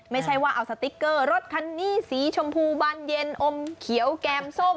ไม่ใช่ว่าเอาสติ๊กเกอร์รถคันนี้สีชมพูบานเย็นอมเขียวแก้มส้ม